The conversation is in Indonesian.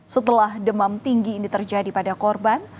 setelah demam tinggi ini terjadi pada korban